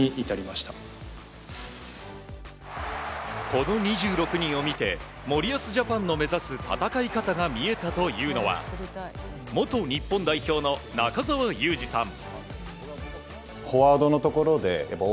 この２６人を見て森保ジャパンの目指す戦い方が見えたというのは元日本代表の中澤佑二さん。